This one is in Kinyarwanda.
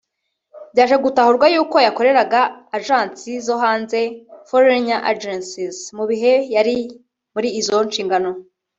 Byaje gutahurwa yuko yakoreraga ajansi zo hanze (foreign agencies) mu bihe yari muri izo nshingano